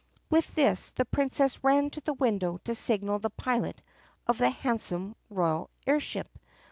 With this the Princess ran to the window to signal the pilot of the handsome royal air ship.